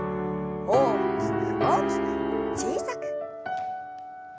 大きく大きく小さく。